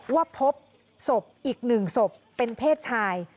ว่าพบศพอีก๑ศพเป็นเพศชาย